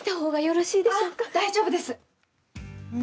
大丈夫です！